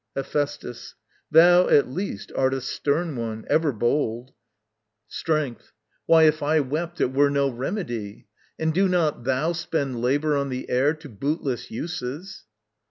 Hephæstus. Thou, at least, art a stern one: ever bold. Strength. Why, if I wept, it were no remedy; And do not thou spend labour on the air To bootless uses.